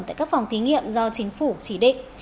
tại các phòng thí nghiệm do chính phủ chỉ định